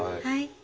はい。